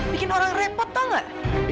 bikin orang repot tau gak